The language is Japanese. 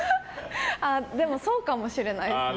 でも、そうかもしれないですね。